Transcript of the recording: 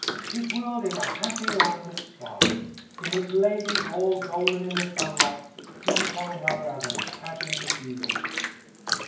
His world is a happy land of song, in which ladies all golden in the sunlight succeed one another as in a pageant of beauties.